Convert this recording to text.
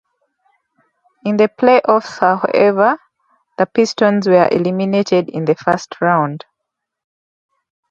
In the playoffs, however, the Pistons were eliminated in the first round.